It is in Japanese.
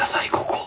ここ。